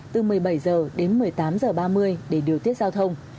từ một mươi bảy h đến một mươi tám h ba mươi để điều tiết giao thông